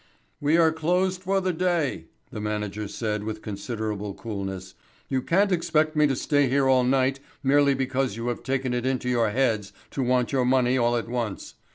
"We are closed for the day," the manager said with considerable coolness. "You can't expect me to stay here all night merely because you have taken it into your heads to want your money all at once.